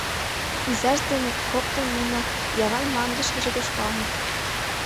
Изаж ден коктын нуно Яван мландышкыже тошкалыныт.